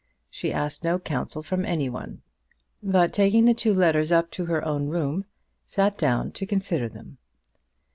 She asked no counsel from any one, but taking the two letters up to her own room, sat down to consider them.